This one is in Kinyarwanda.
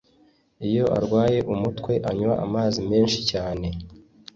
Iyo arwaye umutwe anywa amazi menshi cyane